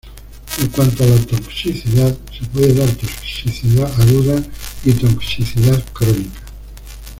En cuanto a la toxicidad, se puede dar toxicidad aguda y toxicidad crónica.